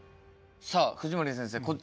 さあ藤森先生